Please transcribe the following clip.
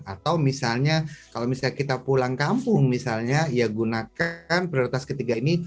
atau misalnya kalau misalnya kita pulang kampung misalnya ya gunakan prioritas ketiga ini